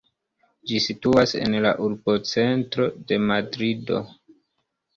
Ĝi situas en la urbocentro de Madrido.